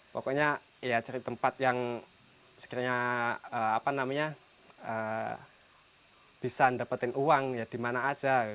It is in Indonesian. pokoknya cari tempat yang bisa dapetin uang dimana aja